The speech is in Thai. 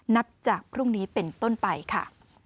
นับจากพรุ่งนี้เป็นต้นไปค่ะ